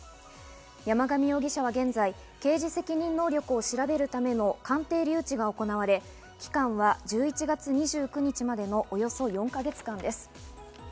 山上容疑者は現在、刑事責任能力を調べるための鑑定留置が行われ、期間は１１月２９日までのおよそ４か月間です。